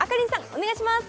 お願いします